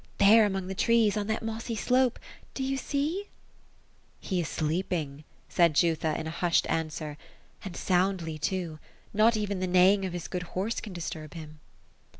^' There among the trees — on that mossy slope — do you see ?"" He is sleeping 1" said Jutha, in hushed answer ;'^ and soundly, too ; not even the neighing of his good horse can disturb him."